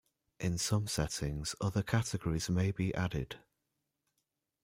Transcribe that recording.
In some settings, other categories may be added.